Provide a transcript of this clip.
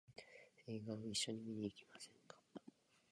映画を一緒に見に行きませんか？